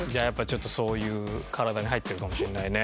ちょっとそういう体に入ってるかもしれないね。